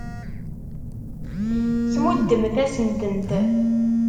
Tmuddemt-asen-tent.